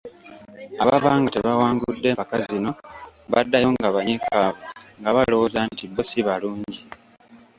Ababa nga tebawangudde mpaka zino baddayo nga banyiikaavu nga balowooza nti bo si balungi.